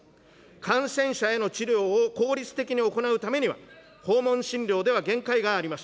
感染者への治療を効率的に行うためには、訪問診療では限界があります。